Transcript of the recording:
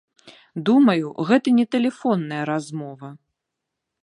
Думаю, гэта не тэлефонная размова.